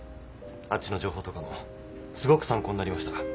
あっちの情報とかもすごく参考になりました。